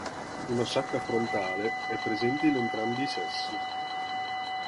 Una sacca frontale è presente in entrambi i sessi.